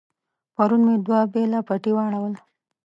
پرون مې دوه بېله پټي واړول.